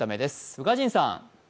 宇賀神さん。